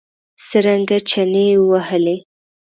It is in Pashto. څرنګه چنې ووهلې.